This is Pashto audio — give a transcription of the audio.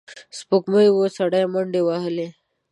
سپوږمۍ وه، سړی منډې وهلې.